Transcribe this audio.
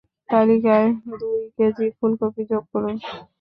তালিকায় দুই কেজি ফুলকপি যোগ করো।